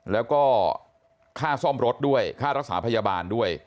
แล้วก็ค่าซ่อมรถด้วยค่ารักษาพยาบาลด้วย